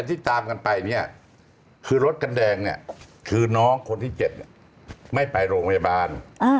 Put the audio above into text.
ที่ตามกันไปเนี่ยคือรถกันแดงเนี่ยคือน้องคนที่๗ไม่ไปโรงพยาบาล